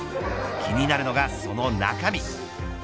気になるのがその中身。